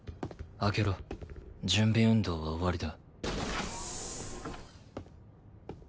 開けろ準備運動は終わりだ。